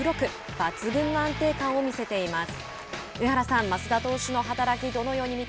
抜群の安定感を見せています。